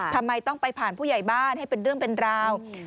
ทำไมต้องไปผ่านผู้ใหญ่บ้านให้เป็นเรื่องเป็นราว